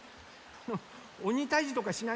「おにたいじ」とかしないんですか？